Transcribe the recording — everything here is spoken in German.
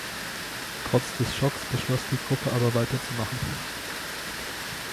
Trotz des Schocks beschloss die Gruppe aber weiterzumachen.